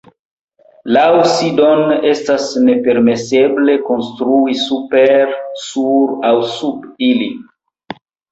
Laŭ Sidon estas nepermeseble konstrui super, sur aŭ sub ili.